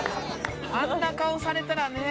あんな顔されたらね